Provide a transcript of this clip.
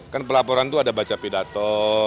kan pelaporan itu ada baca pidato